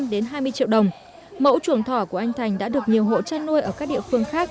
đến hai mươi triệu đồng mẫu chuồng thỏ của anh thành đã được nhiều hộ chăn nuôi ở các địa phương khác